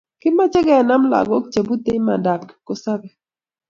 kimache kenam lakok che bute imandat kipkosabe